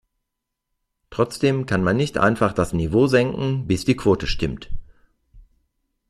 Trotzdem kann man nicht einfach das Niveau senken, bis die Quote stimmt.